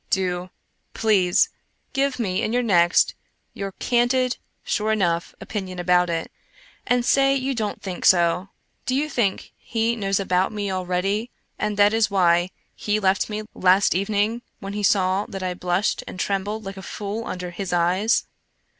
Do, please, give me in your next your candid, sure enough opinion about it, and say you don't think so. Do you think He knows about me already and that is why He left me last evening when He saw that I blushed and trembled like a fool under His eyes?